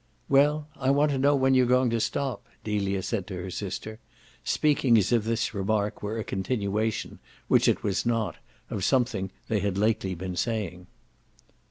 "Well, I want to know when you're going to stop," Delia said to her sister, speaking as if this remark were a continuation, which it was not, of something they had lately been saying.